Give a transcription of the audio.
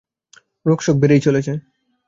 রোগশোক বেড়েই চলছে।